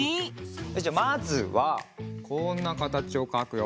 じゃまずはこんなかたちをかくよ。